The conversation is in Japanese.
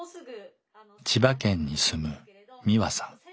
千葉県に住むみわさん。